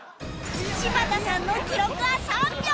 柴田さんの記録は３秒